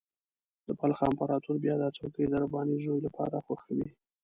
د بلخ امپراطور بیا دا څوکۍ د رباني زوی لپاره خوښوي.